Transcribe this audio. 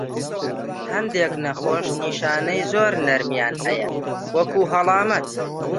هەندێک نەخۆش نیشانەی زۆر نەرمیان هەیە، وەکو هەڵامەت.